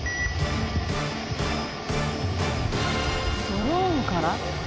「ドローンから？」